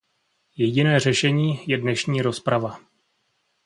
Jediné řešení je dnešní rozprava.